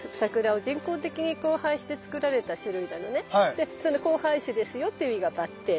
でその交配種ですよっていう意味がバッテン。